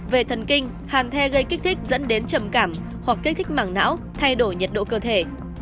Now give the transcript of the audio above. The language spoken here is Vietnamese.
về thần kinh hàn the gây kích thích dẫn đến trầm cảm hoặc kích thích mảng não thay đổi nhiệt độ cơ thể